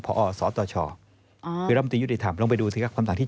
เคยได้ทั้งอ่านในสิ่งที่ท่านพูดมาก่อนหน้านี้